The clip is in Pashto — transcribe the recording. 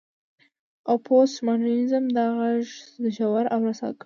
او پوسټ ماډرنيزم دا غږ ژور او رسا کړ.